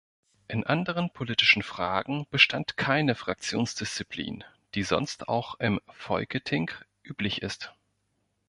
In anderen politischen Fragen bestand keine Fraktionsdisziplin, die sonst auch im Folketing üblich ist.